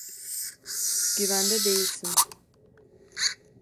Güvende değilsin.